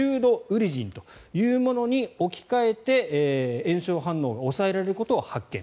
ウリジンというものに置き換えて炎症反応を抑えられることを発見。